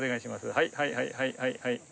はいはいはいはいはい。